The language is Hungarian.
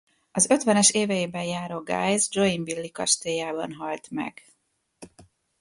Az ötvenes éveiben járó Guise joinville-i kastélyában halt meg.